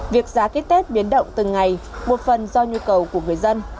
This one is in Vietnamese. việc giá ký test biến động từng ngày một phần do nhu cầu của người dân